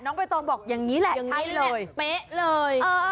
น้องเบย์โตรงบอกอย่างนี้แหละใช่เลยเลย